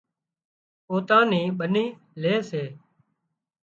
پوتان نِي ٻنِي لي سي